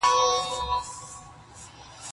o که ټول جهان طبيب سي، چاري واړه په نصيب سي!